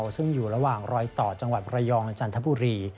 ซึ่งอยู่ระหว่างรอยต่อจังหวัดระยองจันทบุรี